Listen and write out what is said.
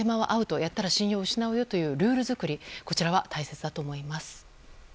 やったら信用を失うというルール作りは大切だと思います。